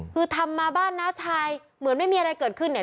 คือทำมาบ้านน้าชายเหมือนไม่มีอะไรเกิดขึ้นเนี่ย